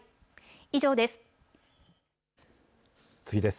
以上です。